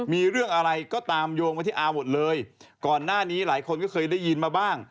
มีเรื่องอะไรก็ตามโยงมาที่อาหมดเลยก่อนหน้านี้หลายคนก็เคยได้ยินมาบ้าง